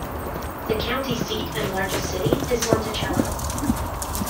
The county seat and largest city is Monticello.